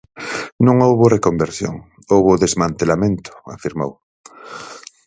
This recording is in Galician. Non houbo reconversión, houbo desmantelamento, afirmou.